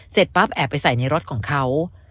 ปั๊บแอบไปใส่ในรถของเขา